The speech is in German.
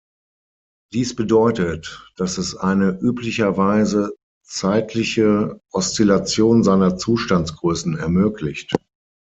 Dies bedeutet, dass es eine üblicherweise zeitliche Oszillation seiner Zustandsgrößen ermöglicht.